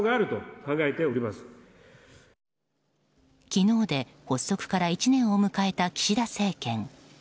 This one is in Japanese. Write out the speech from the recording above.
昨日で発足から１年を迎えた岸田政権。